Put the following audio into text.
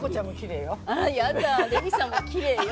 やだレミさんもきれいよ。